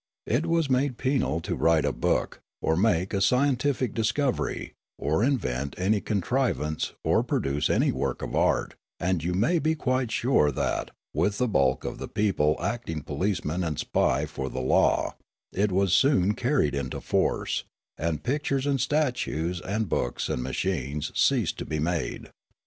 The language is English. It was made penal to write a book, or make a scientific discovery, or invent any contrivance, or produce any work of art ; and j ou may be quite sure that, with the bulk of the people acting policeman and spy for the law, it was soon carried into force, and pictures and statues and books and machines ceased to be made.